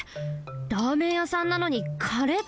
ラーメンやさんなのにカレーたのむの？